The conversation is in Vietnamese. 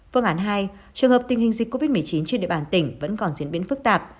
phương án hai trường hợp tình hình dịch covid một mươi chín trên địa bàn tỉnh vẫn còn diễn biến phức tạp